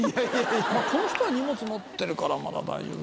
「この人は荷物持ってるからまだ大丈夫」